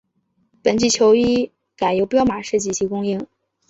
本季球衣改由彪马设计及供应。